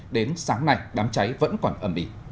đến sáng nay đám cháy vẫn còn ẩm bị